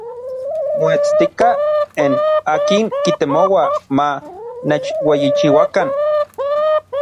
Moetstikaj n akin kitemoua ma nechueyichiuakan.